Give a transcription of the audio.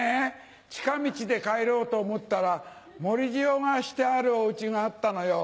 近道で帰ろうと思ったら盛り塩がしてあるお家があったのよ。